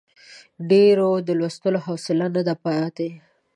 ډېریو د لوستلو حوصله نه ده پاتې.